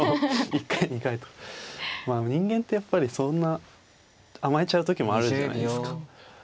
人間ってやっぱりそんな甘えちゃう時もあるじゃないですか。